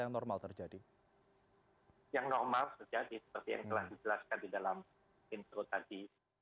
yang normal terjadi seperti yang telah dijelaskan di dalam intro tadi